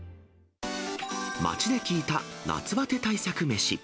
街で聞いた夏バテ対策メシ。